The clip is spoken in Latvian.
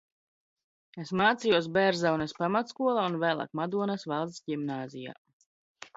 Es m?c?jos B?rzaunes pamatskol? un v?l?k Madonas Valsts ?imn?zij?.